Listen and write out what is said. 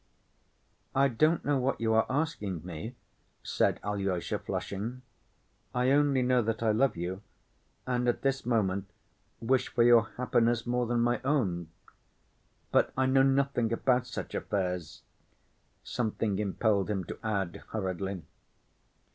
"I don't know what you are asking me," said Alyosha, flushing. "I only know that I love you and at this moment wish for your happiness more than my own!... But I know nothing about such affairs," something impelled him to add hurriedly.